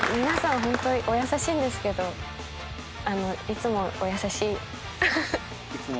皆さんホントお優しいんですけどいつもお優しい。